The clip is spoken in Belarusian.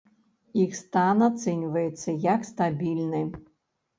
Іх стан ацэньваецца, як стабільны.